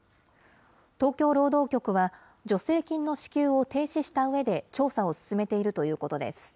東京労働局は、助成金の支給を停止したうえで調査を進めているということです。